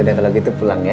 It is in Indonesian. nah kalau gitu pulang ya